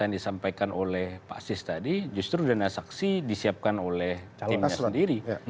yang disampaikan oleh pak sis tadi justru dana saksi disiapkan oleh timnya sendiri